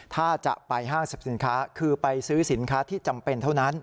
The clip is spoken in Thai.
ถ้าจะไปห้างสรรพสินค้าคือไปซื้อสินค้าที่จำเป็นเท่านั้น